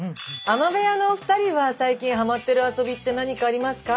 海女部屋のお二人は最近ハマってる遊びって何かありますか？